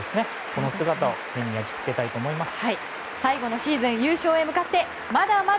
この姿を目に焼き付けたいと思います。